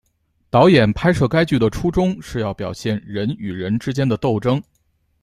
导演拍摄该剧的初衷是要表现人与人之间的斗争。